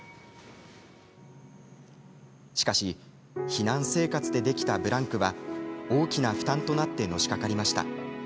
しかし、避難生活でできたブランクは大きな負担となってのしかかりました。